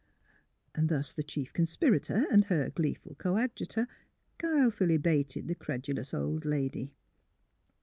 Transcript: And thus the chief conspirator and her gleeful coadjutor guilefully baited the credulous old lady.